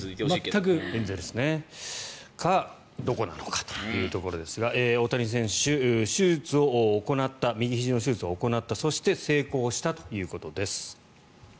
それか、どこなのかというところですが、大谷選手右ひじの手術を行ったそして成功したということです。